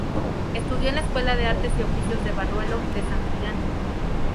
Estudió en la Escuela de Artes y Oficios de Barruelo de Santullán.